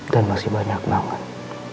dan masih banyak nangis